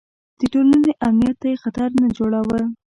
د ټولنې امنیت ته یې خطر نه جوړاوه.